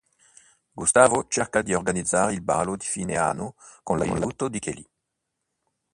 Gustavo cerca di organizzare il ballo di fine anno con l'aiuto di Kelly.